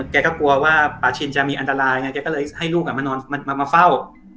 แกก็กลัวว่าป่าชินจะมีอันตรายไงแกก็เลยให้ลูกมาเฝ้า